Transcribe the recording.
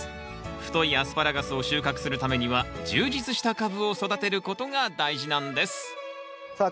太いアスパラガスを収穫するためには充実した株を育てることが大事なんですさあ